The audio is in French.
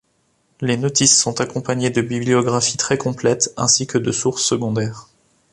Les notices sont accompagnées de bibliographies très complètes ainsi que de sources secondaires.